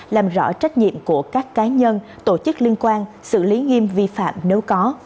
làm rõ trách nhiệm của các cá nhân tổ chức liên quan xử lý nghiêm vi phạm nếu có